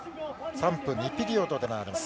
３分２ピリオドで行われます。